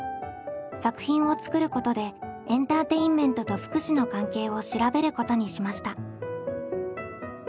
作品を作ることでエンターテインメントと福祉の関係を調べることにしました。